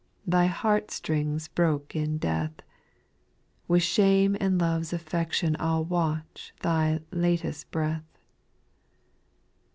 Thy heart strings broke in death, With shame and love's affection I '11 watch Thy latest breath.